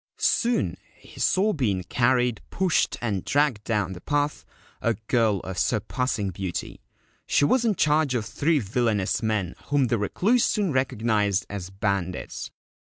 Soon he saw being carried, pushed, and dragged down the path, a girl of surpassing beauty. She was in charge of three villainous men whom the Recluse soon recognised as bandits.